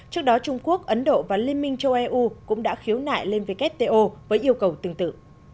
trước đó trung quốc ấn độ và liên minh châu eu cũng đã khiếu nại lên wto với yêu cầu tương tự